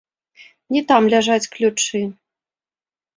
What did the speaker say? Не там ляжаць ключы.